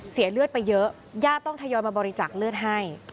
เสียเลือดไปเยอะญาติต้องทยอยมาบริจักษ์เลือดให้